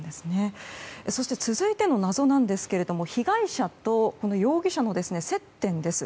そして、続いての謎ですが被害者と容疑者の接点です。